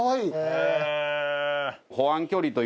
へえ。